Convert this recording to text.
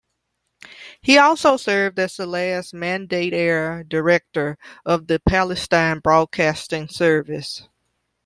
He also served as the last Mandate-era Director of the Palestine Broadcasting Service.